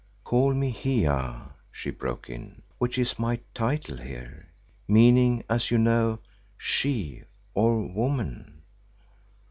"Call me Hiya," she broke in, "which is my title here, meaning, as you know, She, or Woman.